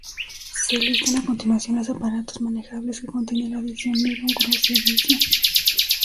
Se listan a continuación los aparatos manejables que contiene la edición "Iron Cross Edition".